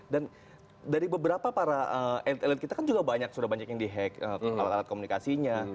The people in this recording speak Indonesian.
dan dari beberapa para elit elit kita kan juga banyak sudah banyak yang di hack alat alat komunikasinya